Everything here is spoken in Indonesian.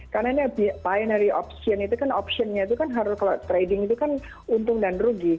karena ini binary option itu kan optionnya itu kan harus kalau trading itu kan untung dan rugi